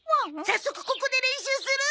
早速ここで練習する？